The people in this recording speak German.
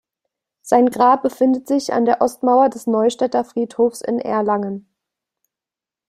Sein Grab befindet sich an der Ostmauer des Neustädter Friedhofs in Erlangen.